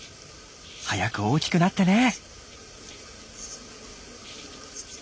早く大きくなってね。